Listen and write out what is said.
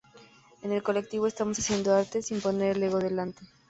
En el colectivo estamos haciendo arte sin poner el ego delante.